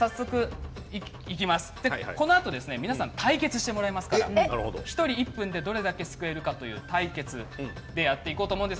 このあと皆さん対決してもらいますから、１人１分でどれだけすくえるか対決やっていこうと思います。